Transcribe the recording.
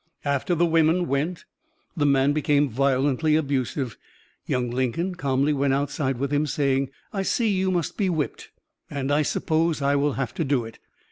After the women went, the man became violently abusive. Young Lincoln calmly went outside with him, saying: "I see you must be whipped and I suppose I will have to do it."